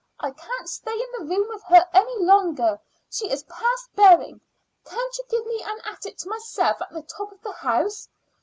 I can't stay in the room with her any longer; she is past bearing. Can't you give me an attic to myself at the top of the house?"